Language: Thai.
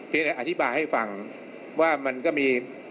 พี่นายอธิบายให้ฟังว่ามันก็มี